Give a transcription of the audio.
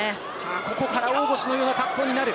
ここから大腰のような格好になる。